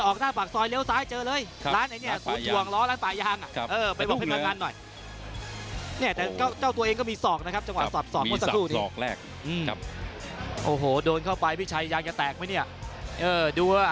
จะปล่อยให้เจาะแบบนี้บ่อยแล้วไม่ดีแน่นะ